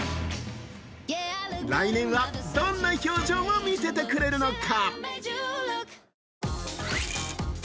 来年はどんな表情を見せてくれるのか？